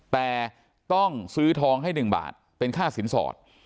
แต่ต้องซื้อทองให้๑บาทเป็นค่าสินสอด